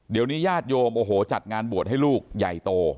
เดี๋ยวนี้ญาติโยมโอ้โหจัดงานบวชให้ลูกใหญ่โต